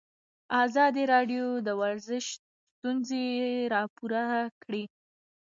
ازادي راډیو د ورزش ستونزې راپور کړي.